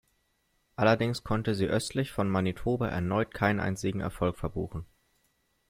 Allerdings konnte sie östlich von Manitoba erneut keinen einzigen Erfolg verbuchen.